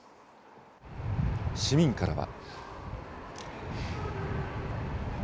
市民からは。